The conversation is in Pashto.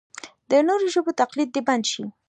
د نورو ژبو تقلید دې بند شي.